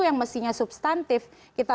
yang mestinya substantif kita